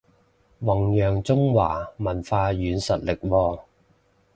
弘揚中華文化軟實力喎